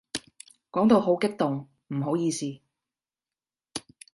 講到好激動，唔好意思